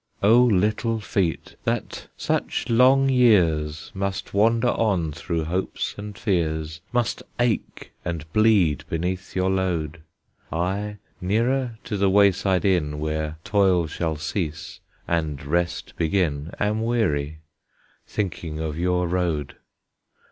O little feet! that such long years Must wander on through hopes and fears, Must ache and bleed beneath your load; I, nearer to the wayside inn Where toil shall cease and rest begin, Am weary, thinking of your road!